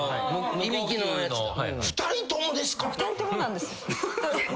２人ともなんです。